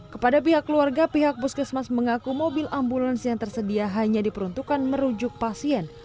kepada pihak keluarga pihak puskesmas mengaku mobil ambulans yang tersedia hanya diperuntukkan merujuk pasien